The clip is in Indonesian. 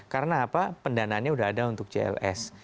karena apa pendanaannya sudah ada untuk cls